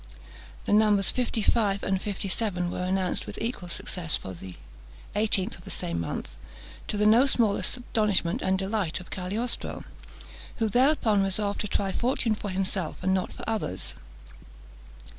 The numbers fifty five and fifty seven were announced with equal success for the 18th of the same month, to the no small astonishment and delight of Cagliostro, who thereupon resolved to try fortune for himself, and not for others.